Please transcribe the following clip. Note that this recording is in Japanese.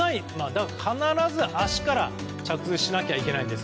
だから必ず足から着水しないといけないんです。